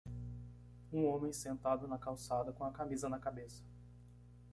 Um homem sentado na calçada com a camisa na cabeça.